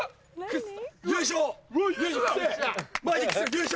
優勝！